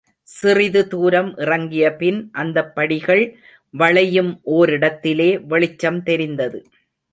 சிறிது தூரம் இறங்கிய பின், அந்த படிகள் வளையும் ஓரிடத்திலே, வெளிச்சம் தெரிந்தது.